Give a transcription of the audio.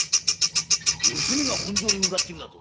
娘が本所に向かっているだと？